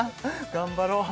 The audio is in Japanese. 頑張ろう